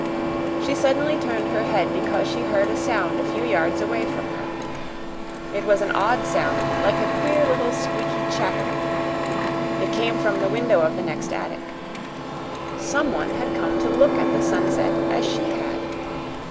She suddenly turned her head because she heard a sound a few yards away from her. It was an odd sound like a queer little squeaky chattering. It came from the window of the next attic. Someone had come to look at the sunset as she had.